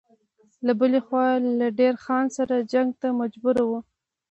له بلې خوا له دیر خان سره جنګ ته مجبور و.